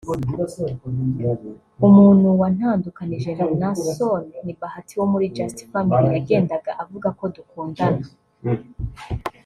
Umuntu wantandukanije na Naason ni Bahati wo muri Just Family (…) yagendaga avuga ko dukundana